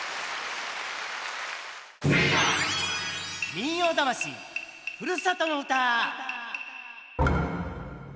「民謡魂ふるさとの唄」。